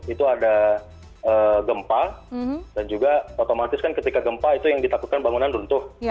itu ada gempa dan juga otomatis kan ketika gempa itu yang ditakutkan bangunan runtuh